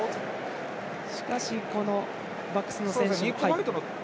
しかし、このバックスの選手。